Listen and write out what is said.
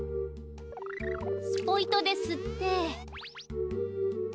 スポイトですって。